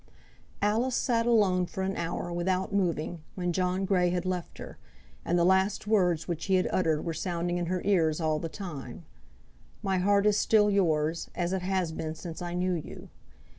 Alice sat alone for an hour without moving when John Grey had left her, and the last words which he had uttered were sounding in her ears all the time, "My heart is still yours, as it has been since I knew you."